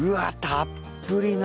たっぷりの。